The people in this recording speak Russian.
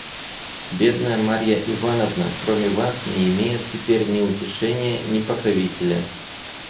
Бедная Марья Ивановна, кроме вас, не имеет теперь ни утешения, ни покровителя».